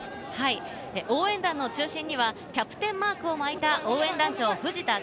応援団の中心にはキャプテンマークを巻いた応援団長・藤田天